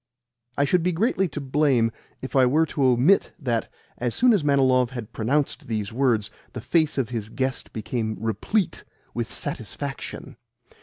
I should be greatly to blame if I were to omit that, as soon as Manilov had pronounced these words, the face of his guest became replete with satisfaction.